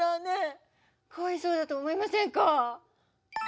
ねえかわいそうだと思いませんか？